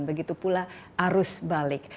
begitu pula arus balik